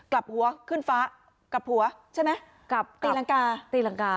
กลับหัวขึ้นฟ้ากลับหัวใช่ไหมกลับตีรังกาตีรังกา